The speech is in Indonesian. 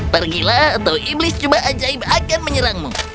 pergilah atau iblis coba ajaib akan menyerangmu